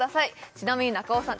ちなみに中尾さん